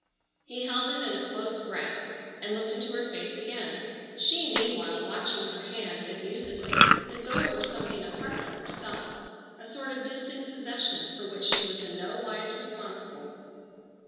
He held it in a close grasp and looked into her face again, she meanwhile watching her hand amusedly, as though it were something apart from herself, a sort of distant possession, for which she was in no wise responsible.